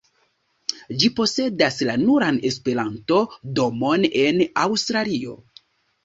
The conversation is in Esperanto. Ĝi posedas la nuran Esperanto-domon en Aŭstralio.